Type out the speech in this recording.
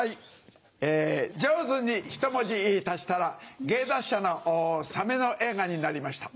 『ジョーズ』にひと文字足したら芸達者のサメの映画になりました。